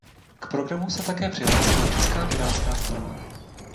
K programu se také přihlásila Česká pirátská strana.